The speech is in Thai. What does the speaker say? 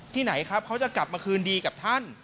ไหนครับเขาจะกลับมาคืนดีกับท่าน